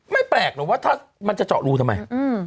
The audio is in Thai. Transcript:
แปลกหรอกว่าถ้ามันจะเจาะรูทำไม